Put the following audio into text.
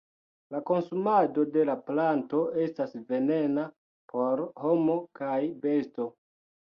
La konsumado de la planto estas venena por homo kaj besto.